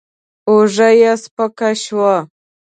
اوږه يې سپکه شوه.